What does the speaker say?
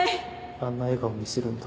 あんな笑顔見せるんだ。